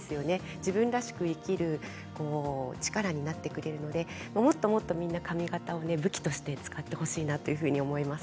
自分らしく生きる力になってくれるのでもっともっとみんな髪形を武器として使ってほしいと思います。